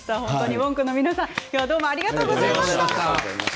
ＷＯＮＫの皆さんありがとうございました。